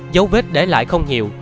dấu vết để lại không nhiều